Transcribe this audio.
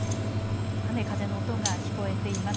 雨、風の音が聞こえています。